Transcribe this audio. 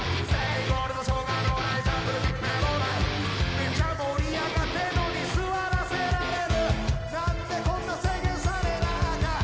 「めちゃ盛り上がってるのに座らせられる」「何でこんな制限されなあかん」